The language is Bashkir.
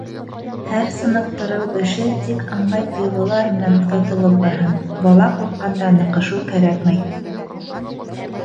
Һәр сыныҡтырыу эше тик ыңғай тойғолар менән оҙатылып барһын; бала ҡурҡҡанда ныҡышыу кәрәкмәй.